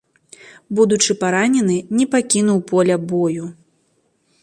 Будучы паранены не пакінуў поля бою.